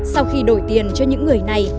sau khi đổi tiền cho những người này